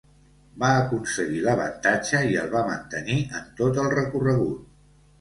Va aconseguir l'avantatge i el va mantenir en tot el recorregut.